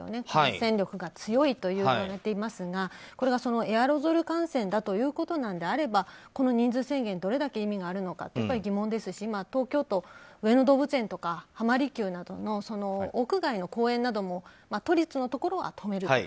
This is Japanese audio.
感染力が強いといわれていますがこれがエアロゾル感染だということなのであればこの人数制限どれだけ影響があるのか疑問ですし今、東京都、上野動物園とか浜離宮などの屋外の公園なども都立のところは止める。